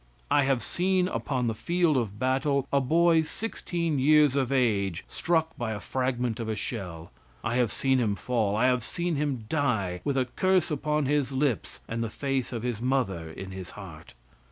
I have seen upon the field of battle a boy sixteen years of age struck by a fragment of a shell; I have seen him fall; I have seen him die with a curse upon his lips and the face of his mother in his heart.